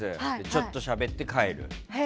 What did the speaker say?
ちょっとしゃべって帰る。